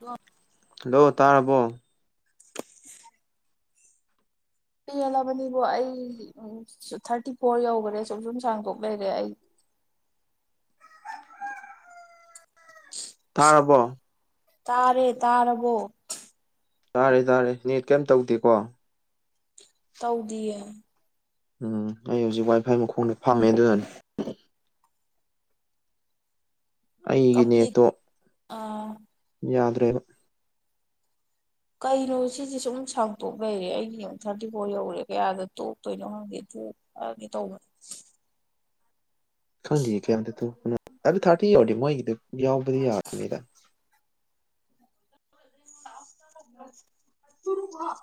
ꯣ [inaudible] ꯍꯜꯂꯣ ꯇꯥꯔꯕꯣ ꯄꯦꯜꯂꯕꯅꯤꯕꯣ ꯑꯩ ꯊꯥꯔꯇꯤ ꯐꯣꯔ ꯌꯧꯈ꯭ꯔꯦ ꯁꯨꯝ ꯁꯨꯝꯁꯥꯡꯗꯣꯛ ꯂꯩꯔꯦ ꯑꯩ ꯇꯥꯔꯕꯣ ꯇꯥꯔꯦ ꯇꯥꯔꯕꯣ ꯇꯥꯔꯦ ꯇꯥꯔꯦ ꯅꯦꯠ ꯀꯩꯝ ꯇꯧꯗꯦꯀꯣ ꯇꯧꯗꯤꯌꯦ ꯎꯝ ꯑꯩ ꯍꯧꯖꯤꯛ ꯋꯥꯏ ꯐꯥꯏ ꯃꯈꯣꯡꯗ ꯐꯥꯝꯃꯦ ꯑꯗꯨꯅꯅ ꯦ ꯑꯩꯒꯤ ꯀꯝꯄ꯭ꯂꯤꯠ ꯅꯦꯠꯇꯣ ꯑꯥ ꯌꯥꯗ꯭ꯔꯦꯕ ꯀꯩꯅꯣ ꯁꯤꯁꯦ ꯁꯨꯝ ꯁꯥꯡꯇꯣꯛ ꯂꯩꯩꯔꯦ ꯑꯩꯒꯤ ꯃꯤꯅꯤꯠ ꯊꯥꯔꯇꯤ ꯐꯣꯔ ꯌꯧꯔꯦ ꯀꯌꯥꯗ ꯇꯣꯛꯇꯣꯏꯅꯣ ꯈꯪꯗꯦ ꯑꯗꯨ ꯑꯒꯦ ꯇꯧꯕ ꯈꯪꯗꯦꯌꯦ ꯀꯌꯥꯝꯝꯇ ꯇꯅꯣ ꯍꯥꯏ ꯊꯥꯔꯇꯤ ꯌꯥꯎꯔꯗꯤ ꯃꯣꯏꯒꯤꯗ ꯌꯥꯎꯕꯗꯤ ꯌꯥꯕꯅꯤꯗ ꯃ [inaudible]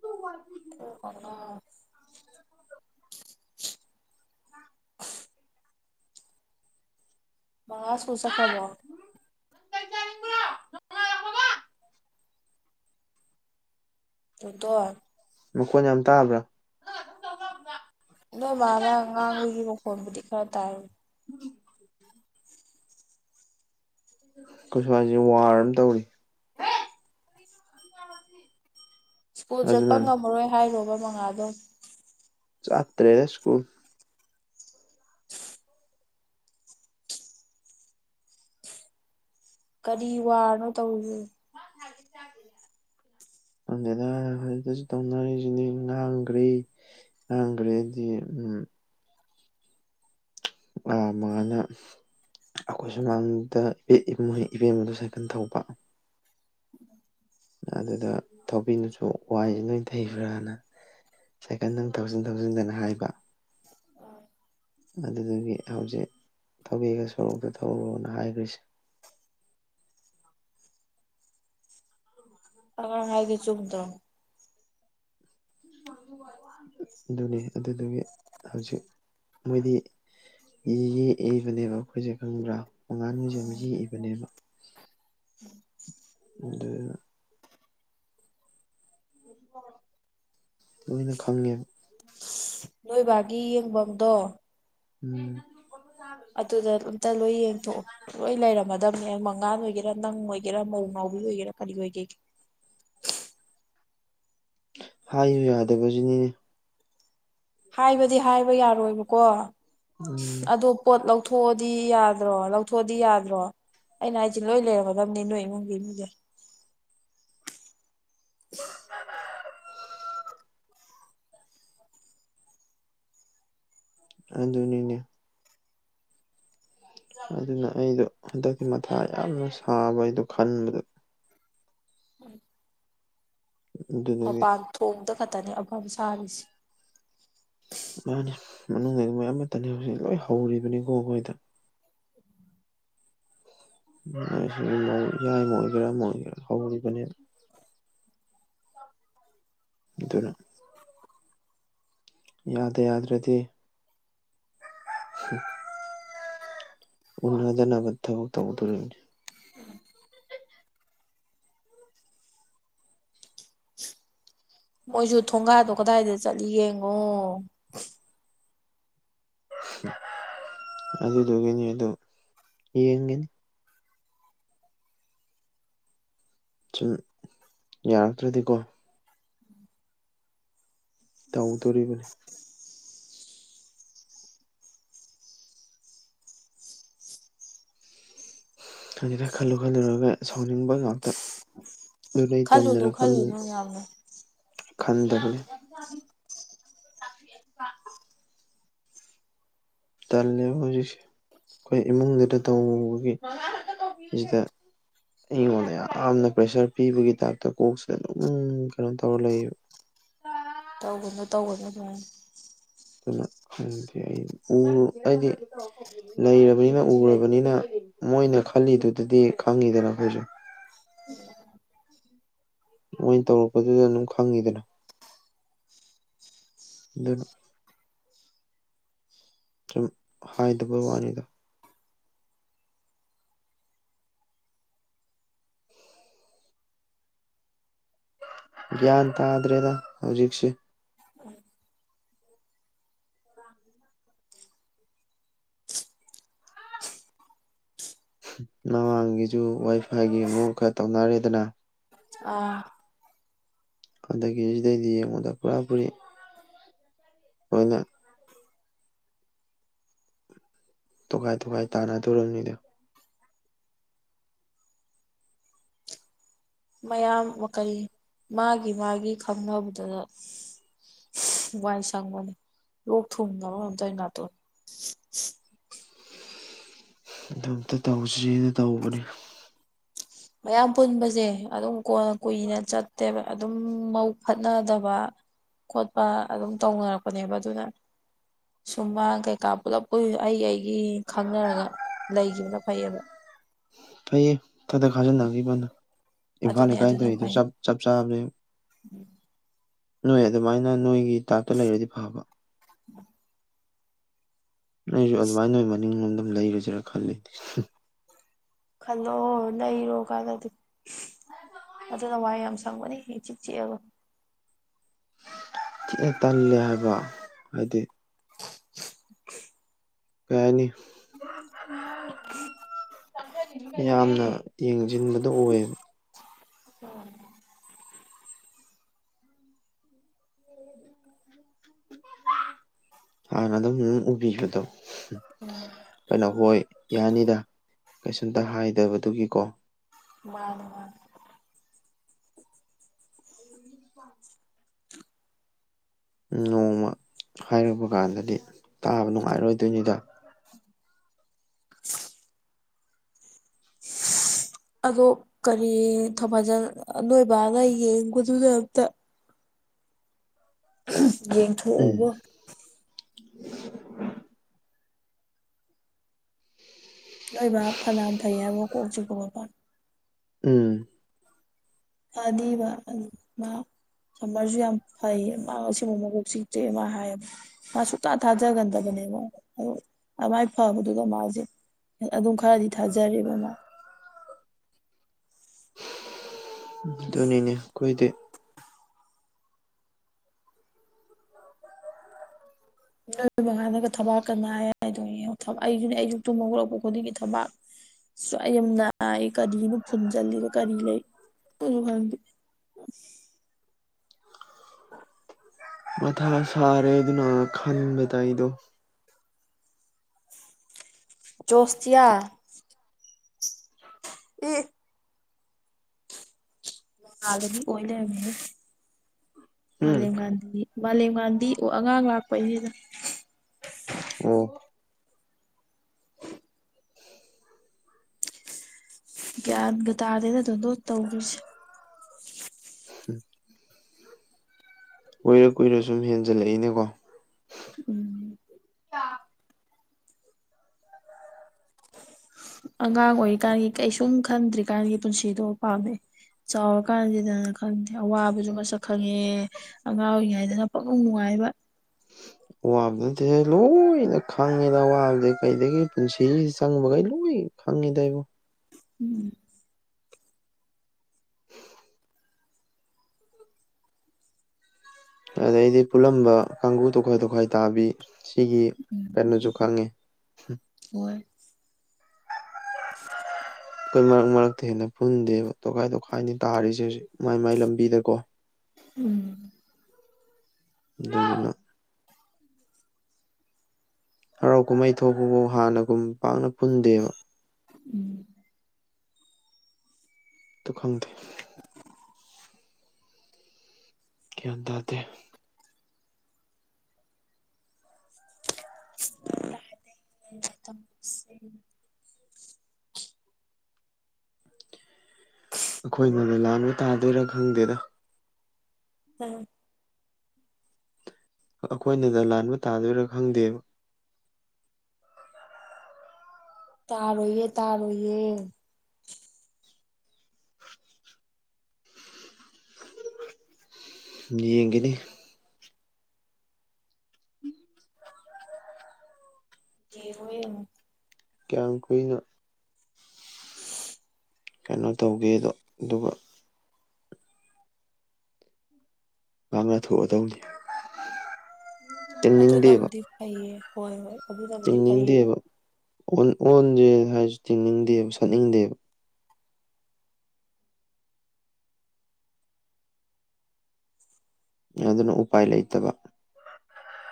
ꯇ ꯋꯥ [inaudible] ꯀꯛ ꯀꯥꯉꯋꯦꯑ [unintelligible] [unintelligible] ꯃꯥꯁ ꯏꯁꯈ꯭ꯔꯕꯣꯠ ꯆꯠꯈꯔꯕꯣ ꯎꯝ ꯀ [inaudible] ꯇꯗꯣꯇꯣꯗ ꯃꯈꯣꯟ ꯌꯥꯝ ꯇꯥꯕ꯭ꯔꯥ ꯅꯣꯏ ꯃꯥꯅ ꯉꯥꯡꯕꯒꯤ ꯃꯈꯣꯟꯕꯨꯗꯤ ꯈꯔ ꯇꯥꯏ ꯎꯝ ꯑꯩꯈꯣꯏ ꯁ꯭ꯋꯥꯏꯁꯦ ꯋꯥꯔ ꯑꯃ ꯇꯧꯔꯤ ꯁ꯭ꯀꯨꯜ ꯆꯠꯄ ꯑꯗꯨꯅꯅꯤ ꯉꯝꯃꯔꯣꯏ ꯍꯥꯏꯔꯣꯕ ꯃꯉꯥꯜꯗꯣ ꯆꯥꯠꯇ꯭ꯔꯦꯗ ꯁꯀꯨꯜ ꯀꯔꯤ ꯋꯥꯅꯣ ꯇꯧꯔꯤ ꯈꯪꯗꯦꯗ ꯍꯧꯖꯤꯛ ꯇꯧꯅꯔꯤꯁꯤꯅꯦ ꯉꯥꯡꯈ꯭ꯔꯔꯤ ꯉꯥꯡꯒ꯭ꯔꯦꯗꯤ ꯎꯝ ꯑ ꯃꯥꯉꯥꯜꯅ ꯑꯩꯈꯣꯏ ꯁꯨꯃꯥꯡꯗ ꯏ ꯏꯕꯦꯝ ꯑꯃꯗ ꯁꯥꯏꯀꯜ ꯊꯧꯕ ꯑꯗꯨꯗ ꯊꯧꯕꯤꯅꯁꯨ ꯋꯥꯏꯁ ꯂꯣꯏ ꯊꯩꯕ꯭ꯔꯥꯅ ꯁꯥꯏꯀꯟ ꯅꯪ ꯊꯧꯖꯤꯟ ꯊꯧꯖꯤꯟꯗꯅ ꯍꯥꯏꯕ ꯑꯗꯨꯗꯒꯤ ꯍꯧꯖꯤꯛ ꯊꯧꯒꯦꯒ ꯁꯣꯔꯣꯛꯇ ꯊꯧꯔꯣꯅ ꯍꯥꯏꯈ꯭ꯔꯤꯁꯦ ꯑꯉꯥꯡꯅ ꯍꯥꯏꯗꯤ ꯆꯨꯨꯝ ꯇꯧ ꯑꯗꯨꯅꯤ ꯑꯗꯨꯗꯨꯒꯤ ꯍꯧꯖꯤꯛ ꯃꯣꯏꯗꯤ ꯌꯦꯛꯏꯕꯅꯦꯕ ꯑꯩꯈꯣꯏꯁꯦ ꯈꯪꯕ꯭ꯔꯥ ꯑꯉꯥꯡꯁꯦ ꯌꯥꯝ ꯌꯦꯛꯏꯕꯅꯦꯕ ꯑ [inaudible] ꯂꯣꯏꯅ ꯈꯪꯉꯦ ꯅꯣꯏꯕꯥꯒꯤ ꯌꯦꯡꯐꯝꯗꯣ ꯎꯝ ꯑꯗꯨꯗ ꯑꯝꯇ ꯂꯣꯏ ꯌꯦꯡꯊꯣꯛꯑꯣ ꯂꯣꯏ ꯂꯩꯔꯝꯃꯗꯕꯅꯦ ꯃꯉꯥꯟ ꯑꯣꯏꯒꯦꯔꯥ ꯅꯪ ꯑꯣꯏꯒꯦꯔꯥ ꯃꯧ ꯅꯥꯎꯕꯤ ꯑꯣꯏꯒꯦꯔꯥ ꯀꯔꯤ ꯑꯣꯏꯒꯦ꯫ ꯍꯥꯏꯌꯨ ꯌꯥꯗꯕꯁꯤꯅꯤꯅꯦ꯫ ꯍꯥꯏꯕꯗꯤ ꯍꯥꯏꯕ ꯌꯥꯔꯣꯏꯕꯀꯣ ꯎꯝ ꯑꯗꯣ꯫ ꯄꯣꯠ ꯂꯧꯊꯣꯛꯑꯗꯤ ꯌꯥꯗ꯭ꯔꯣ ꯂꯧꯊꯣꯛꯑꯗꯤ ꯌꯥꯗ꯭ꯔꯣ꯫ ꯑꯩꯅ ꯍꯥꯏꯁꯦ ꯂꯣꯏ ꯂꯩꯔꯝꯒꯗꯕꯅꯦ ꯅꯣꯏ ꯏꯃꯨꯡꯒꯤ ꯃꯤꯒꯩ꯫ ꯑꯗꯨꯅꯤꯅꯦ꯫ ꯑꯗꯨꯅ ꯑꯩꯗꯣ ꯍꯟꯗꯛꯇꯤ ꯃꯊꯥ ꯌꯥꯝꯅ ꯁꯥꯕ ꯑꯩꯗꯣ ꯈꯟꯕꯗ꯫ ꯎꯝ꯫ ꯑꯗꯨꯗꯨꯒꯤ ꯃꯄꯥꯟ ꯊꯣꯡꯗ ꯈꯛꯇꯅꯦ ꯑꯐꯕ ꯁꯥꯔꯤꯁꯦ꯫ ꯃꯥꯅꯦ ꯃꯅꯨꯡꯗ ꯃꯣꯏ ꯑꯃꯠꯇꯅꯦ ꯍꯧꯖꯤꯛ ꯂꯣꯏ ꯍꯧꯔꯤꯕꯅꯤꯀꯣ ꯑꯩꯈꯣꯏꯗ꯫ ꯌꯥꯏ ꯑꯣꯏꯒꯦꯔꯥ ꯃꯣꯏꯒꯦꯔꯥ ꯍꯧꯔꯤꯕꯅꯦ꯫ ꯀꯩꯗꯧꯔꯦ꯫ ꯌꯥꯗ ꯌꯥꯗ꯭ꯔꯗꯤ꯫ ꯎꯝ꯫ ꯎꯅꯗꯅꯕ ꯊꯕꯛ ꯇꯧꯗꯣꯔꯤꯅꯤ꯫ ꯃꯣꯏꯁꯨ ꯊꯣꯡꯒꯥꯗꯣ ꯀꯗꯥꯏꯗ ꯆꯠꯂꯤ ꯌꯦꯡꯉꯣ꯫ ꯑꯗꯨꯗꯨꯒꯤꯅꯦ ꯑꯗꯣ ꯌꯦꯡꯒꯤꯅꯤ꯫ ꯁꯨꯝ ꯌꯥꯔꯛꯇ꯭ꯔꯗꯤꯀꯣ꯫ ꯇꯧꯗꯣꯔꯤꯕꯅꯤ꯫ ꯈꯪꯗꯦꯗ ꯈꯜꯂꯨ ꯈꯜꯂꯨꯔꯒ ꯁꯥꯎꯅꯤꯡꯕ ꯉꯥꯛꯇ꯫ ꯑꯗꯨ ꯑꯩ ꯈꯜꯂꯨꯅꯨ ꯇꯟꯗꯅ ꯈꯜꯂꯨꯅꯨ ꯌꯥꯝꯅ ꯈꯟꯗꯕꯅꯤ꯫ [inaudible] ꯇꯜꯂꯦꯕ ꯍꯧꯖꯤꯛꯁꯦ ꯑꯩꯈꯣꯏ ꯏꯃꯨꯡꯗꯨꯗ ꯇꯧꯕꯒꯤ ꯁꯤꯗ꯫ ꯑꯩꯉꯣꯟꯗ ꯌꯥꯝꯅ ꯄꯩꯁꯥ ꯄꯤꯕꯒꯤ ꯇꯥꯏꯞꯇ ꯀꯣꯛꯁꯤꯗ ꯑꯗꯨꯝ ꯀꯩꯅꯣ ꯇꯧꯔ ꯂꯩꯌꯦꯕ꯫ ꯇꯧꯒꯅꯨ ꯇꯧꯒꯅꯨ ꯑꯗꯨꯃꯥꯏ꯫ ꯑꯗꯨꯅ ꯈꯪꯗꯦ ꯑꯩ ꯎ ꯑꯩꯗꯤ꯫ ꯂꯩꯔꯕꯅꯤꯅ ꯎꯔꯕꯅꯤꯅ ꯃꯣꯏꯅ ꯈꯜꯂꯤꯗꯨꯗꯗꯤ ꯈꯪꯉꯤꯗꯅ ꯑꯩꯈꯣꯏꯁꯨ꯫ ꯃꯣꯏꯅ ꯇꯧꯔꯛꯄꯗꯨꯗ ꯑꯗꯨꯝ ꯈꯪꯉꯤꯗꯅ꯫ ꯑꯗꯨ꯫ ꯁꯨꯝ ꯍꯥꯏꯗꯕ ꯋꯥꯅꯤꯗ꯫ ꯒ꯭ꯌꯥꯟ ꯇꯥꯗ꯭ꯔꯦꯗ ꯍꯧꯖꯤꯛꯁꯦ꯫ ꯃꯃꯥꯡꯒꯤꯁꯨ ꯋꯥꯏ ꯐꯥꯏꯒꯤ ꯑꯃꯨꯛ ꯈꯔ ꯇꯧꯅꯔꯦꯗꯅ꯫ ꯑꯥ꯫ ꯑꯗꯒꯤ ꯁꯤꯗꯩꯗꯤ ꯌꯦꯡꯉꯨꯗ ꯄꯨꯔꯥ ꯄꯨꯔꯤ꯫ ꯂꯣꯏꯅ꯫ ꯇꯣꯒꯥꯏ ꯇꯣꯒꯥꯏ ꯇꯥꯟꯅꯗꯣꯔꯝꯅꯤꯗꯣ꯫ ꯃꯌꯥꯝ ꯀꯩ ꯃꯥꯒꯤ ꯃꯥꯒꯤ ꯈꯪꯅꯕꯗ꯫ ꯋꯥꯏ ꯁꯪꯕꯅꯤ ꯂꯣꯛ ꯊꯨꯡꯉꯕ ꯀꯩꯅꯣꯝ ꯅꯇꯣꯟ꯫ ꯑꯗꯨ ꯑꯝꯇ ꯇꯧꯁꯤꯅ ꯇꯧꯕꯅꯤ꯫ ꯃꯌꯥꯝ ꯄꯨꯟꯕꯁꯦ ꯑꯗꯨꯝ ꯀꯣꯟꯅ ꯀꯨꯏꯅ ꯆꯠꯇꯦꯕ꯫ ꯑꯗꯨꯝ ꯃꯕꯨꯛ ꯐꯠꯅꯗꯕ ꯈꯣꯠꯄ ꯑꯗꯨꯝ ꯇꯧꯅꯔꯛꯄꯅꯦꯕ ꯑꯗꯨꯅ꯫ ꯁꯨꯝꯃꯥꯡ ꯀꯩꯀꯥ ꯄꯨꯂꯞ ꯑꯩ ꯑꯩꯒꯤ ꯈꯪꯅꯔꯒ ꯂꯩꯈꯤꯕꯅ ꯐꯩꯌꯦꯕ꯫ ꯐꯩꯌꯦ ꯊꯥꯛ ꯊꯥꯛ ꯈꯖꯅꯪꯒꯈꯤꯕꯅ꯫ ꯏꯝꯐꯥꯜ ꯑꯗꯨꯅꯦ ꯑꯗꯨꯅ ꯑꯦꯀꯥꯏꯊꯗꯨ ꯐꯩ ꯆꯞ ꯆꯞ ꯆꯕꯅꯦ꯫ ꯅꯣꯏ ꯑꯗꯨꯃꯥꯏꯅ ꯅꯣꯏꯒꯤ ꯇꯥꯏꯞꯇ ꯂꯩꯔꯗꯤ ꯐꯕ꯫ ꯎ [unintelligible] ꯑꯩꯁꯨ ꯑꯗꯨꯃꯥꯏꯅ ꯅꯣꯏ ꯃꯅꯤꯡꯣꯝ ꯑꯗꯨꯝ ꯂꯩꯔꯨꯁꯦꯔꯥ ꯈꯜꯂꯤ꯫ ꯈꯜꯂꯣ ꯂꯩꯔꯣ ꯀꯥꯟꯅꯗꯦ꯫ ꯑ [unintelligible] ꯑꯗꯨꯅ ꯋꯥꯏ ꯌꯥꯝ ꯁꯪꯕꯅꯤ ꯏꯆꯤꯛ ꯆꯤꯛꯑꯒ꯫ ꯊꯤꯅ ꯇꯜꯂꯦ ꯍꯥꯏꯕ ꯍꯥꯏꯗꯤ ꯑꯣꯦ ꯀꯩ ꯍꯥꯏꯅꯤ ꯌꯥꯝꯅ ꯌꯦꯡꯁꯤꯟꯕꯗꯣ ꯑꯣꯏꯌꯦꯕ ꯎꯝ ꯍꯅ ꯑꯗꯨ ꯎ ꯎꯕꯤꯖꯠꯇꯣ ꯑꯣ ꯑꯩꯅ ꯍꯣꯏ ꯌꯥꯅꯤꯗ ꯀꯩꯁꯨꯝꯇ ꯍꯥꯏꯗꯕꯗꯨꯒꯤꯀꯣ ꯋꯥ ꯋꯥ [unintelligible] ꯄ [unintelligible] ꯅꯣꯡꯃ ꯍꯥꯏꯔꯨꯕ ꯀꯥꯟꯗꯗꯤ ꯇꯥꯕ ꯅꯨꯡꯉꯥꯏꯔꯣꯏꯗꯣꯏꯅꯤꯗ ꯑꯗꯣ ꯀꯔꯤ ꯊꯧꯃꯖꯟ ꯅꯣꯏꯕꯅ ꯌꯦꯡꯕꯗꯨꯗꯃꯛꯇ ꯎꯝ ꯌꯦꯡꯊꯣꯛꯎꯕ ꯂꯣꯏꯕ ꯐꯅꯌꯥꯝ ꯐꯩ ꯍꯥꯏꯕ ꯀꯣꯛ ꯆꯤꯛꯄꯒ ꯎꯝ ꯑꯗꯤꯕ ꯁꯝꯃꯔꯁꯨ ꯌꯥꯝ ꯐꯩ ꯃꯥ ꯑꯁꯤꯕ ꯃꯒꯣꯛ ꯆꯤꯛꯇꯦ ꯃꯥ ꯍꯥꯏꯌꯦꯕ ꯃꯥ ꯁꯨꯛꯇꯇꯥ ꯊꯥꯖꯒꯟꯗꯕꯅꯦꯕ ꯑꯗꯨꯃꯥꯏꯅ ꯐꯕꯗꯨꯗ ꯃꯥꯁꯦ ꯑꯗꯨꯝ ꯈꯔꯗꯤ ꯊꯥꯖꯔꯦꯔꯤꯕ ꯃꯥ ꯑꯗꯨꯅꯤꯅꯦ ꯑꯈꯣꯏꯗꯤ ꯅꯣꯏꯕꯉꯥꯟꯗꯒ ꯊꯕꯥꯛ ꯀꯅꯥ ꯍꯥꯏ ꯍꯥꯏꯗꯣꯏꯅꯦ ꯑꯩꯁꯨꯅꯦ ꯑꯩꯁꯨ ꯇꯨꯝ ꯍꯧꯔꯛꯄ ꯈꯨꯗꯤꯡꯒꯤ ꯊꯕꯥꯛ ꯁꯋꯥꯏ ꯌꯥꯝ ꯅꯥꯏ ꯀꯔꯤꯅꯣ ꯐꯨꯟꯖꯜꯂꯤꯔ ꯀꯔꯤ ꯂꯩ ꯀꯩꯅꯣ ꯈꯪꯗꯦ ꯑ [unintelligible] ꯃꯊꯥ ꯁꯥꯔꯦ ꯑꯗꯨꯅ ꯈꯟꯕꯗ ꯑꯩꯗꯣ ꯆꯣꯁꯇꯤꯌꯥ ꯑꯦ ꯂꯗꯗꯤ ꯑꯣꯏꯣꯏ ꯂꯩꯃꯤ [unintelligible] ꯎꯝ ꯃꯥꯂꯦꯝ ꯒꯥꯟꯙꯤ ꯃꯥꯂꯦꯝ ꯒꯥꯟꯙꯤ ꯑꯉꯥꯡ ꯂꯥꯛꯄꯩꯅꯤꯅ ꯑꯣ ꯒ꯭ꯌꯥꯟꯒ ꯇꯥꯗꯦꯗ ꯇꯣꯟꯗꯣꯟ ꯇꯧꯗꯣꯏꯁꯦ ꯀꯨꯏꯔ ꯀꯨꯏꯔ ꯁꯨꯝ ꯍꯦꯟꯖꯜꯂꯛꯏꯅꯦꯀꯣ ꯎꯝ ꯑꯉꯥꯡ ꯑꯣꯏꯔꯤꯀꯥꯟꯒꯤ ꯀꯩꯁꯨꯝ ꯈꯟꯗ꯭ꯔꯤꯀꯥꯟꯒꯤ ꯄꯨꯟꯁꯤꯗꯣ ꯄꯥꯝꯃꯦ ꯆꯥꯎꯔ ꯀꯥꯟꯁꯤꯗꯅ ꯈꯪꯗꯦ ꯑꯋꯥꯕꯁꯨ ꯃꯁꯛ ꯈꯪꯉꯦ ꯑꯉꯥꯡ ꯑꯣꯏꯔꯤꯉꯩꯗꯅ ꯄꯛꯅꯨꯡ ꯅꯨꯡꯉꯥꯏꯕ ꯋꯥꯕꯗ ꯅꯠꯇꯦꯍꯦ ꯂꯣꯏꯅ ꯈꯪꯉꯦꯗ ꯑꯋꯥꯕꯗꯤ ꯀꯩꯗꯒꯤ ꯄꯨꯟꯁꯤꯁꯤ ꯆꯪꯕꯈꯩ ꯂꯣꯏ ꯈꯪꯃꯤꯗ ꯑꯩꯕꯨ ꯎꯝ ꯑꯗꯩꯗꯤ ꯄꯨꯜꯂꯝꯕ ꯀꯥꯡꯒꯨ ꯇꯣꯈꯥꯏ ꯇꯣꯈꯥꯏ ꯇꯥꯕꯤ ꯁꯤꯒꯤ ꯎꯝ ꯀꯩꯅꯣꯁꯨ ꯈꯪꯉꯦ ꯍꯣꯏ ꯑꯩꯈꯣꯏ ꯃꯔꯛ ꯃꯔꯛꯇꯩ ꯍꯦꯟꯅ ꯄꯨꯟꯗꯦꯕ ꯇꯣꯈꯥꯏ ꯇꯣꯈꯥꯏꯅꯤ ꯇꯥꯔꯤꯁꯦ ꯃꯥꯏ ꯃꯥꯏ ꯂꯝꯕꯤꯗ ꯀꯣ ꯎꯝ ꯑꯗꯨꯗꯨꯅ ꯍꯔꯥꯎ ꯀꯨꯝꯍꯩ ꯊꯣꯛꯄꯕꯨ ꯍꯥꯟꯅꯒꯨꯝ ꯄꯥꯛꯅ ꯄꯨꯟꯗꯦꯕ ꯎꯝ ꯇ ꯈꯪꯗꯦ ꯒꯌ꯭ꯥꯟ ꯇꯥꯗꯦ ꯏꯁ ꯑꯩꯈꯣꯏꯅꯗ ꯂꯥꯟꯕ ꯇꯥꯗꯣꯏꯔ ꯈꯪꯗꯦꯗ ꯎꯝ ꯑꯩꯈꯣꯏꯅꯗ ꯂꯥꯟꯕ ꯇꯥꯗꯣꯏꯔꯥ ꯈꯪꯗꯦꯕ ꯇꯥꯔꯣꯏꯌꯦ ꯇꯥꯔꯣꯏꯌꯦ ꯌꯦꯡꯒꯅꯤ ꯌꯦꯡꯉꯣ ꯌꯦꯡꯉꯣ ꯀꯌꯥꯝ ꯀꯨꯏꯅ ꯀꯩꯅꯣ ꯇꯧꯒꯦꯗꯣ ꯑꯗꯨꯒ ꯉꯥꯡꯅ ꯊꯣꯛꯑꯗꯧꯅꯤ ꯑꯗꯨꯅꯕꯨꯗꯤ ꯐꯩꯌꯦ ꯍꯣꯏ ꯍꯣꯏ ꯑꯗꯨꯅꯕꯨꯗꯤ ꯐꯩꯌꯦꯕ ꯇꯤꯡꯅꯤꯡꯗꯦꯕꯟ ꯑꯣꯟꯁꯦ ꯍꯥꯏꯔꯁꯨ ꯇꯤꯡꯅꯤꯡꯗꯦꯕ ꯁꯠꯅꯤꯡꯗꯦꯕ ꯑꯗꯨꯅ ꯎꯄꯥꯏ ꯂꯩꯇꯕ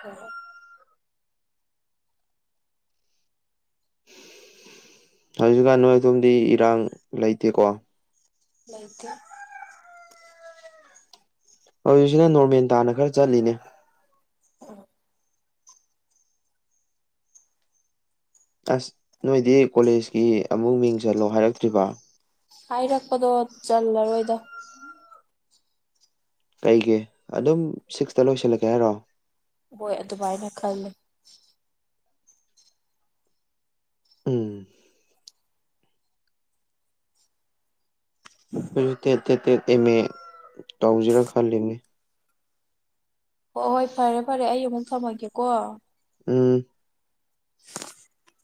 ꯍꯣꯏ ꯍꯣꯏ ꯍꯧꯖꯤꯛꯀꯥꯟ ꯅꯣꯏ ꯑꯗꯣꯝꯗꯤ ꯏꯔꯥꯡ ꯂꯩꯇꯦꯀꯣ ꯂꯩꯇ‌ꯦ ꯍꯧꯖꯤꯛꯁꯤꯅ ꯅꯣꯔꯃꯦꯟ ꯇꯥꯅ ꯈꯔ ꯆꯠꯂꯤꯅꯦ ꯎ ꯑꯁ ꯅꯣꯏꯗꯤ ꯀꯣꯂꯦꯖꯀꯤ ꯑꯃꯨꯛ ꯌꯦꯡ ꯆꯜꯂꯣ ꯍꯥꯏꯔꯛꯇ꯭ꯔꯤꯕ ꯍꯥꯏꯔꯛꯄꯗꯣ ꯆꯜꯂꯔꯣꯏꯗ ꯀꯩꯒꯤ ꯑꯗꯨꯝ ꯁꯤꯛꯁꯇ ꯂꯣꯏꯁꯤꯜꯂꯛꯀꯦ ꯍꯥꯏꯔꯣ ꯍꫭꯏ ꯑꯗꯨꯃꯥꯏꯅ ꯈꯜꯂꯤ ꯎꯝ ꯑꯩꯈꯣꯏꯁꯨ ꯇꯦꯠ ꯇꯦꯠ ꯇꯦꯠ ꯑꯦꯝ ꯑꯦ ꯇꯧꯁꯤꯔꯥ ꯈꯜꯂꯤꯕꯅꯦ ꯍꯣꯏ ꯍꯣꯏ ꯐꯔꯦ ꯐꯔꯦ ꯑꯩ ꯑꯃꯨꯛ ꯊꯝꯃꯒꯦꯀꯣ ꯎꯝ [inaudible]